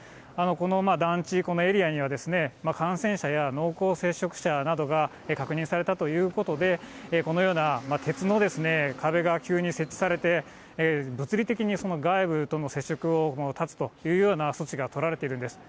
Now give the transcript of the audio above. この団地、このエリアには、感染者や濃厚接触者などが確認されたということで、このような鉄の壁が急に設置されて、物理的に外部との接触を断つというような措置が取られているんです。